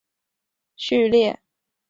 琉球位阶是琉球国的身分序列。